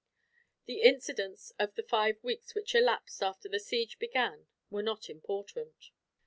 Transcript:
The incidents of the five weeks which elapsed after the siege began were not important.